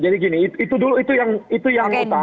jadi gini itu dulu itu yang utama sih